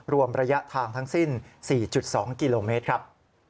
รวมระยะทางทั้งสิ้น๔๒กิโลเมตรครับ